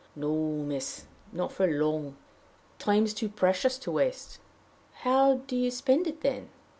"No, miss not for long. Time's too precious to waste." "How do you spend it, then?"